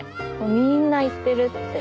みんな行ってるって。